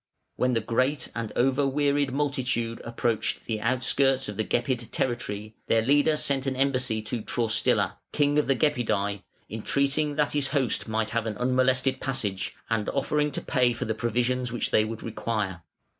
When the great and over wearied multitude approached the outskirts of the Gepid territory, their leader sent an embassy to Traustila, king of the Gepidæ, entreating that his host might have an unmolested passage, and offering to pay for the provisions which they would require.